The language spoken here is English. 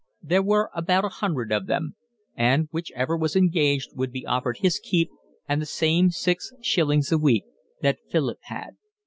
There were about a hundred of them, and whichever was engaged would be offered his keep and the same six shillings a week that Philip had.